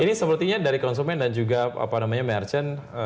ini sepertinya dari konsumen dan juga apa namanya merchant